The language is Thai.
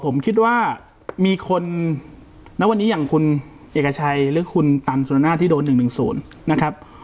ผมคิดว่ามีคนณวันนี้อย่างคุณเอกชัยหรือคุณตันสุรนาที่โดน๑๑๐นะครับ